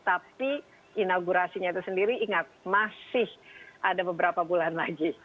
tapi inaugurasinya itu sendiri ingat masih ada beberapa bulan lagi